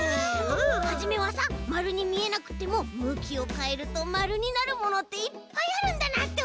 はじめはさまるにみえなくってもむきをかえるとまるになるものっていっぱいあるんだなっておもったんだよ！